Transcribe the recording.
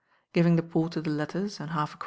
Giving the porter the letter, and half. , nn.?